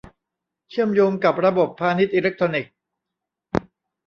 เชื่อมโยงกับระบบพาณิชย์อิเล็กทรอนิกส์